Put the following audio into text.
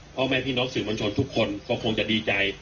พ่อแม่พี่น้องสื่อมวลชนทุกคนก็คงจะดีใจ